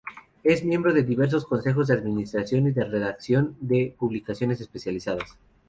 Es miembro de diversos consejos de administración y de redacción de publicaciones especializadas.